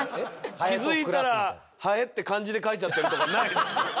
気付いたら「蝿」って漢字で書いちゃったりとかないです。